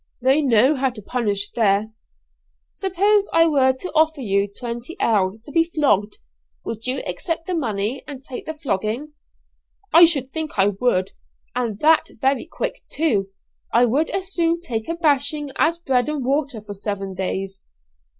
they know how to punish there." "Suppose I were to offer you 20_l._ to be flogged, would you accept the money and take the flogging?" "I should think I would, and that very quick, too. I would as soon take a bashing as bread and water for seven days."